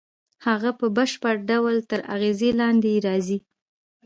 هغه په بشپړ ډول تر اغېز لاندې یې راځي